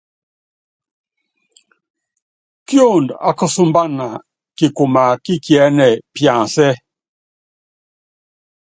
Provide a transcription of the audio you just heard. Kiondo ákusúmbana kikuma kí kiɛ́nɛ piansɛ́.